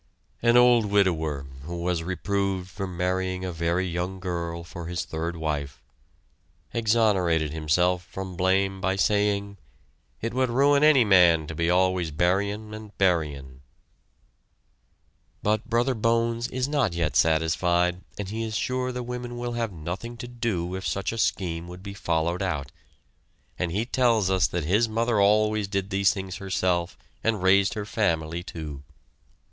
An old widower, who was reproved for marrying a very young girl for his third wife, exonerated himself from blame by saying: "It would ruin any man to be always buryin', and buryin'." But Brother Bones is not yet satisfied, and he is sure the women will have nothing to do if such a scheme would be followed out, and he tells us that his mother always did these things herself and raised her family, too.